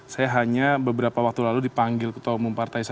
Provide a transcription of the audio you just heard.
saya hanya beberapa waktu lalu dipanggil ketua umum partai saya